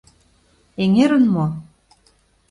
Эҥерын мо?